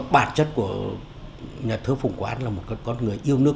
bản chất của nhà thơ phùng quán là một con người yêu nước